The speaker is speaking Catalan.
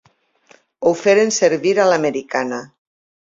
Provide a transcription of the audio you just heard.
Ho feren servir a l'americana.